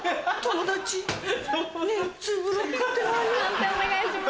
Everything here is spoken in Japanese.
判定お願いします。